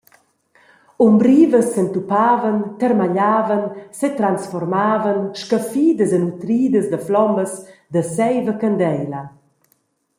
Umbrivas s’entupavan, termagliavan, setransformavan, scaffidas e nutridas da flommas da seiv e candeila.